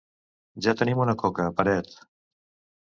Ja tenim una coca, Peret.